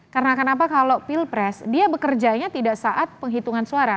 karena kenapa kalau pilpres dia bekerjanya tidak saat penghitungan suara